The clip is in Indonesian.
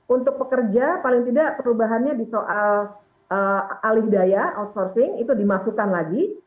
untuk pekerja paling tidak perubahannya di soal alihdaya outsourcing itu dimasukkan lagi